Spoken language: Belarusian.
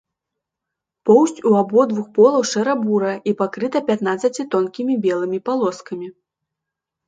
Поўсць ў абодвух полаў шэра-бурая і пакрыта пятнаццаці тонкімі белымі палоскамі.